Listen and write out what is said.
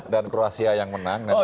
dan kruasia yang menang nanti